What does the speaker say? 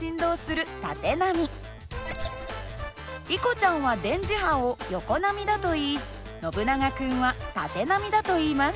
リコちゃんは電磁波を横波だと言いノブナガ君は縦波だと言います。